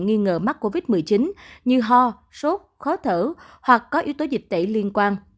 nghi ngờ mắc covid một mươi chín như ho sốt khó thở hoặc có yếu tố dịch tễ liên quan